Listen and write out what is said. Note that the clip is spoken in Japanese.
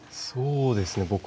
そうですね